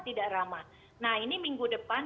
tidak ramah nah ini minggu depan